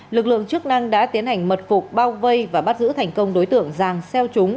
lực lượng chức năng đã tiến hành mật phục bao vây và bắt giữ thành công đối tượng giàng xeo trúng